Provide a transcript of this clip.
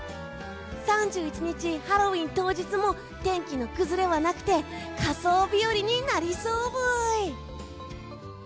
３１日ハロウィーン当日も天気の崩れはなくて仮装日和になりそうブイ。